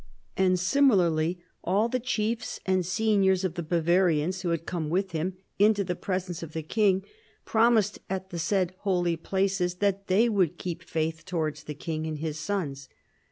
And similarl}'^ all the chiefs and seniors of the Bavarians who had come with him into the presence of the king promised at the said holy places that they would keep faith towards the king and his sons."